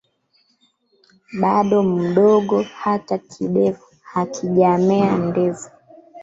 Bado mdogo hata kidevu hakijamea ndevu